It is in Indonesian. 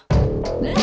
saat nya ketemu pria